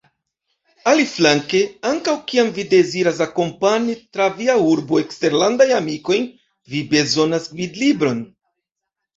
Aliflanke, ankaŭ kiam vi deziras akompani tra via urbo eksterlandajn amikojn, vi bezonas gvidlibron.